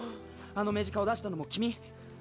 あの雌鹿を出したのも君？